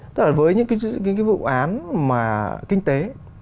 tức là với những cái vụ án mà kinh tế